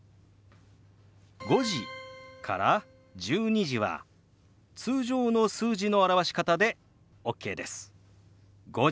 「５時」から「１２時」は通常の数字の表し方でＯＫです。